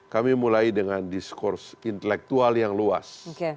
kami mulai dengan diskurs intelektual yang luas